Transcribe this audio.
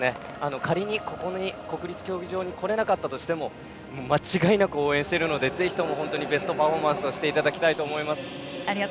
仮に国立競技場に来れなかったとしても間違いなく応援しているのでぜひともベストパフォーマンスをありがとうございます。